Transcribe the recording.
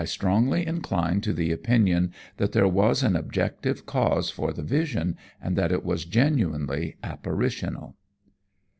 I strongly incline to the opinion that there was an objective cause for the vision, and that it was genuinely apparitional."